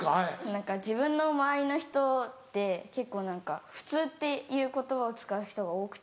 自分の周りの人で結構何か「普通」っていう言葉を使う人が多くて。